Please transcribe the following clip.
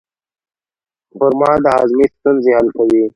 خرما د هاضمې ستونزې حل کوي.